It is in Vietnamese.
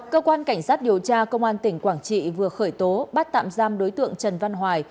cơ quan cảnh sát điều tra công an tỉnh quảng trị vừa khởi tố bắt tạm giam đối tượng trần văn hoài